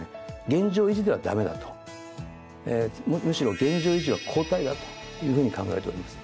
現状維持では駄目だとむしろ現状維持は後退だというふうに考えております。